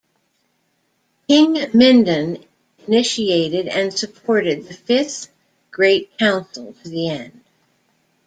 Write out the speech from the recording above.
King Mindon initiated and supported the Fifth Great Council to the end.